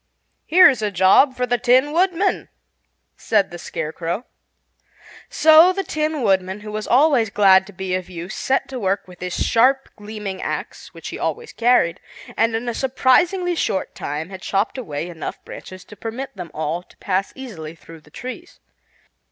"Here's a job for the Tin Woodman," said the Scarecrow. So the Tin Woodman, who was always glad to be of use, set to work with his sharp, gleaming axe, which he always carried, and in a surprisingly short time had chopped away enough branches to permit them all to pass easily through the trees.